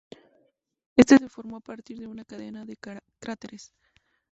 Este se formó a partir de una cadena de cráteres.